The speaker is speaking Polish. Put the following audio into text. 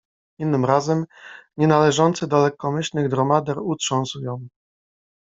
Innym razem, nie należący do lekkomyślnych dromader utrząsł ją.